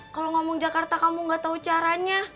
kalau ngomong jakarta kamu gak tau caranya